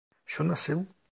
Şu nasıl?